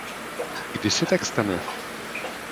Kdy se tak stane?